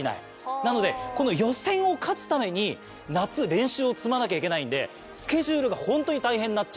なのでこの予選を勝つために夏練習を積まなきゃいけないのでスケジュールがホントに大変になっちゃうと。